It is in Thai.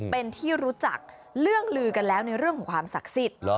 เป็นที่รู้จักเรื่องลือกันแล้วในเรื่องของความศักดิ์สิทธิ์